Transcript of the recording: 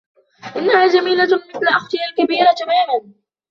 إنها جميلة مثل أختها الكبيرة تماما.